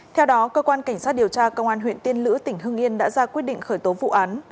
theo đó cơ quan cảnh sát điều tra công an huyện tiên lữ tỉnh hưng yên đã ra quyết định khởi tố vụ án